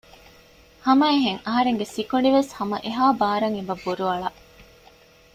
ހަމައެހެން އަހަރެންގެ ސިކުނޑިވެސް ހަމަ އެހާ ބާރަށް އެބަ ބުރުއަޅަ